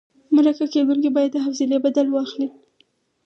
مرکه کېدونکی باید د حوصلې بدل واخلي.